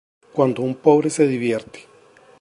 Cuando un pobre se divierte